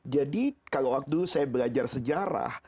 jadi kalau waktu saya belajar sejarah